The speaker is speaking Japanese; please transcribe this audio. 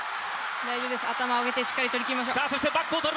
大丈夫です、頭を上げてしっかり取りきりましょう。